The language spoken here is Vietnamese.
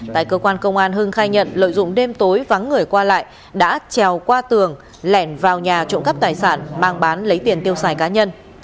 tại cơ quan công an hưng khai nhận lợi dụng đêm tối vắng người qua lại đã trèo qua tường lẻn vào nhà trộm cắp tài sản mang bán lấy tiền tiêu xài cá nhân